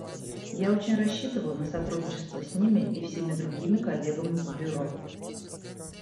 Я очень рассчитываю на сотрудничество с ними и всеми другими коллегами по Бюро.